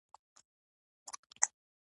دوکاندار د خلکو باور تر هر څه مهم ګڼي.